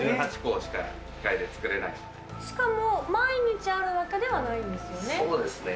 しかも毎日あるわけではないそうですね。